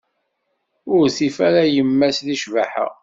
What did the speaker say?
Ur tif ara yemma-s deg ccbaḥa.